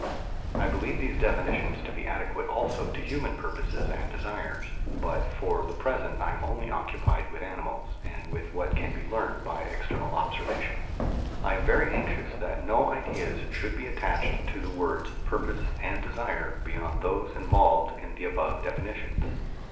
I believe these definitions to be adequate also to human purposes and desires, but for the present I am only occupied with animals and with what can be learnt by external observation. I am very anxious that no ideas should be attached to the words "purpose" and "desire" beyond those involved in the above definitions.